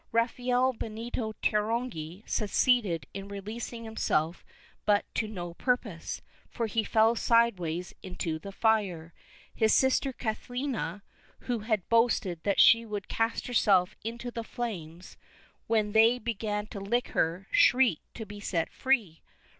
Rafael Benito Terongi succeeded in releasing himself but to no purpose, for he fell sideways into the fire. His sister Cathalina, who had boasted that she would cast herself into the flames, when they began to lick her, shrieked to be set free.